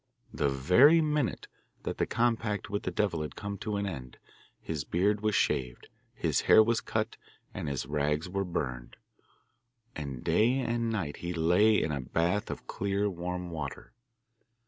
The very minute that the compact with the devil had come to an end his beard was shaved, his hair was cut, and his rags were burned, and day and night he lay in a bath of clear warm water.